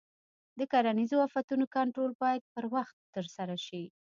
د کرنیزو آفتونو کنټرول باید پر وخت ترسره شي.